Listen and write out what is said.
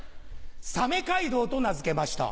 サメ街道と名付けました。